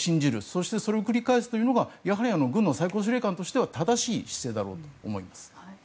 そしてそれを繰り返すというのがやはり軍の最高司令官としては正しいと思います。